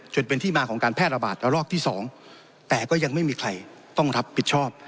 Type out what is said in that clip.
จนเป็นที่มาของการแพร่ระบาดระลอกที่สองแต่ก็ยังไม่มีใครต้องรับผิดชอบ